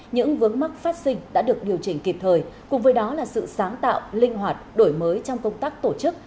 những vướng mắc phát sinh đã được điều chỉnh kịp thời cùng với đó là sự sáng tạo linh hoạt đổi mới trong công tác tổ chức